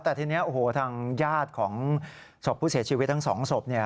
แต่ทีนี้โอ้โหทางญาติของศพผู้เสียชีวิตทั้งสองศพ